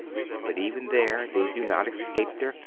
But even there they do not escape their fate.